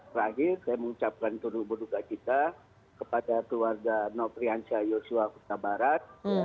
terakhir saya mengucapkan terubah dubah kita kepada keluarga nofrihan syayoswa kota barat